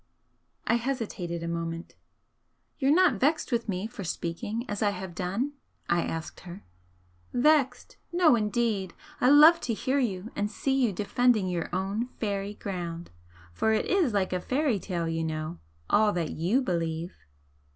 I hesitated a moment. "You're not vexed with me for speaking as I have done?" I asked her. "Vexed? No, indeed! I love to hear you and see you defending your own fairy ground! For it IS like a fairy tale, you know all that YOU believe!"